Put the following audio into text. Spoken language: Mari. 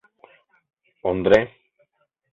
Ондре.